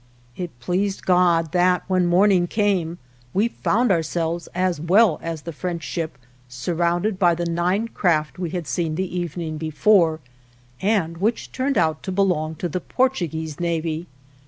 It pleased God that, when morning came, we found ourselves, as well as the French ship, surrounded by the nine craft we had seen the evening before, and which turned out to belong to the Portuguese .navy.